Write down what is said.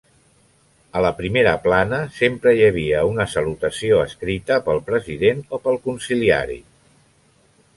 A la primera plana sempre hi havia una salutació escrita pel President o pel Consiliari.